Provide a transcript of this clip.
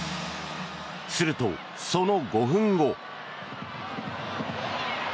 すると、その５分後。